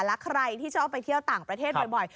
และใครที่ชอบไปเที่ยวต่างประเทศบ่อย